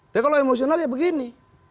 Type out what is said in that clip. tapi kalau emosional ya begini